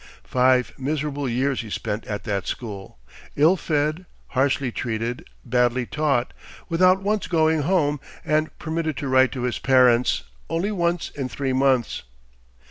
Five miserable years he spent at that school, ill fed, harshly treated, badly taught, without once going home, and permitted to write to his parents only once in three months.